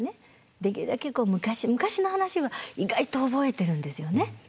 できるだけこう昔昔の話は意外と覚えてるんですよね。